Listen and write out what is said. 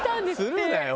するなよ